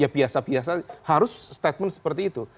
biasa harus statement seperti itu